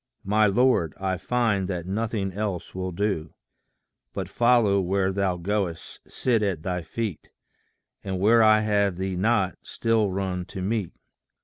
My Lord, I find that nothing else will do, But follow where thou goest, sit at thy feet, And where I have thee not, still run to meet.